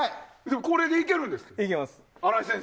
これでいけるんですね。